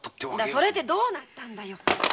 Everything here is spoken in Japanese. そそれでどうなったんだよ？